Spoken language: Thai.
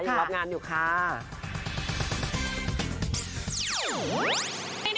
รับงานอยู่ค่ะ